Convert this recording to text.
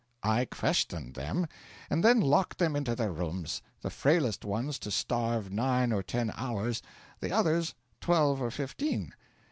I questioned them, and then locked them into their rooms the frailest ones to starve nine or ten hours, the others twelve or fifteen.